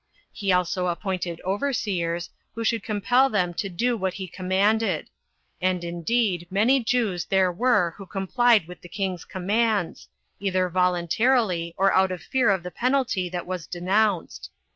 He also appointed overseers, who should compel them to do what he commanded. And indeed many Jews there were who complied with the king's commands, either voluntarily, or out of fear of the penalty that was denounced.